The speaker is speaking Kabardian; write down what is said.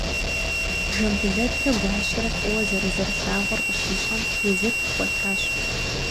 Жамбулэтрэ Гуащэрэ фӏыуэ зэрызэрылъагъур къыщищӏэм, езыр ӏукӏуэтащ.